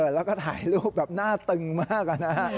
แล้วก็ถ่ายรูปแบบหน้าตึงมากนะฮะ